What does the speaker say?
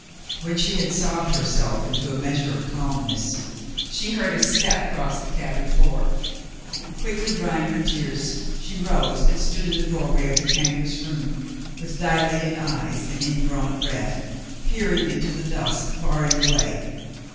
When she had sobbed herself into a measure of calmness, she heard a step cross the cabin floor. Quickly drying her tears, she rose and stood in the doorway of the canvas room, with dilated eyes and indrawn breath, peering into the dusk, barring the way.